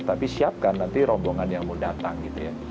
tapi siapkan nanti rombongan yang mau datang gitu ya